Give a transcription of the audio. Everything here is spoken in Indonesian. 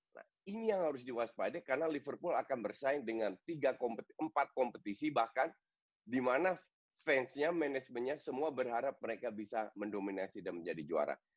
nah ini yang harus diwaspada karena liverpool akan bersaing dengan empat kompetisi bahkan di mana fansnya manajemennya semua berharap mereka bisa mendominasi dan menjadi juara